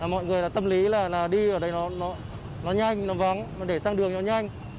mọi người là tâm lý là đi ở đây nó nhanh nó vắng để sang đường nó nhanh